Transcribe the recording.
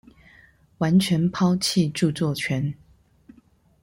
完全拋棄著作權